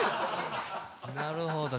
なるほど。